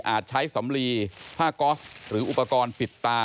ใช้สำลีผ้าก๊อสหรืออุปกรณ์ปิดตา